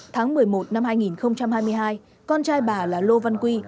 tháng một mươi một năm hai nghìn hai mươi hai con trai bà là lô văn quy